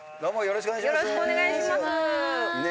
よろしくお願いします。